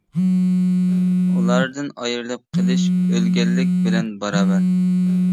ئۇلاردىن ئايرىلىپ قېلىش ئۆلگەنلىك بىلەن باراۋەر.